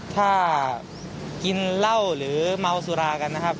ถ้ากินเหล้าหรือมาวสุรากัน